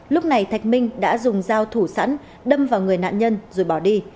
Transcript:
lúc này thạch minh đã dùng dao thủ sẵn đâm vào người nạn nhân rồi bỏ đi